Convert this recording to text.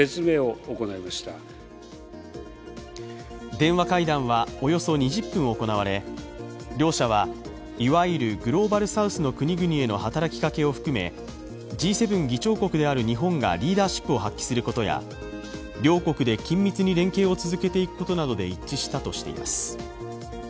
電話会談はおよそ２０分行われ、両者はいわゆるグローバルサウスの国々への働きかけを含めＧ７議長国である日本がリーダーシップを発揮することや両国で緊密に連携を続けていくことで一致したとしています。